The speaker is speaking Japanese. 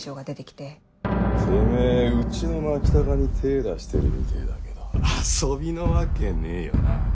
てめぇうちの牧高に手出してるみてぇだけど遊びのわけねえよな？